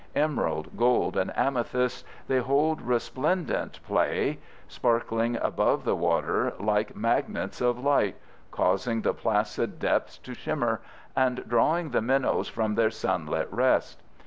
Emerald, gold, and amethyst, they hold resplendent play, sparkling above the water like magnets of light, causing the placid depths to shimmer, and drawing the minnows from their sunlit rest.